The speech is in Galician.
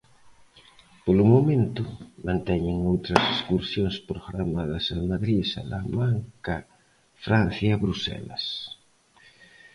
Polo momento, manteñen outras excursións programadas a Madrid, Salamanca, Francia e Bruxelas.